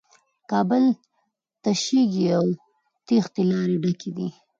کابل تشېږي او د تېښې لارې ډکې دي.